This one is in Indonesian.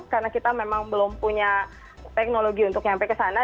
karena kita memang belum punya teknologi untuk nyampe ke sana